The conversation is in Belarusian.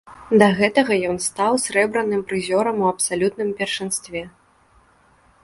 Да гэтага ён стаў срэбраным прызёрам у абсалютным першынстве.